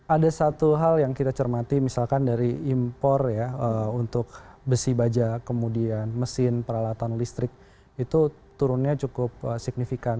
ada satu hal yang kita cermati misalkan dari impor ya untuk besi baja kemudian mesin peralatan listrik itu turunnya cukup signifikan